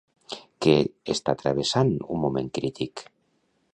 Què està travessant un moment crític?